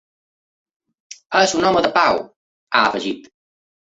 És un home de pau, ha afegit.